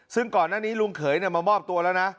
ซึ่งก่อนหน้านี้ลุงเขยมามอบตัวแล้วนะ